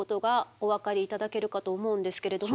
お分かり頂けるかと思うんですけれども。